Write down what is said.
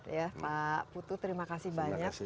ya pak putu terima kasih banyak